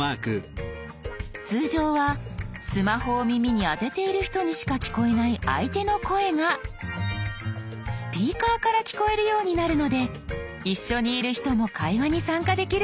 通常はスマホを耳に当てている人にしか聞こえない相手の声がスピーカーから聞こえるようになるので一緒にいる人も会話に参加できるんです。